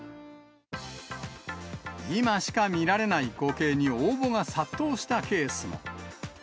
今しか見られない光景に応募が殺到したケースも。